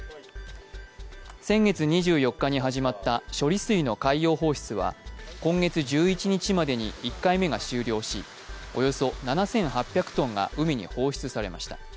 先月２４日に始まった処理水の海洋放出は今月１１日までに１回目が終了しおよそ７８００ｔが海に放出されました。